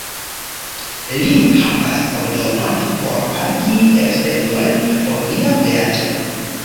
Li havas ordonon por pagi elspezojn por via vojaĝo.